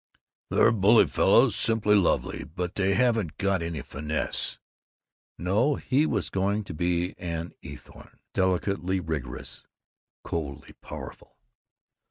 "They're bully fellows, simply lovely, but they haven't got any finesse." No. He was going to be an Eathorne; delicately rigorous, coldly powerful.